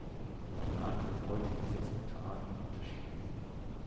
Die Art wird heute in sechs Unterarten unterschieden.